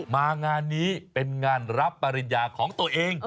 มางานนี้เป็นงานรับปริญญาของตัวเอง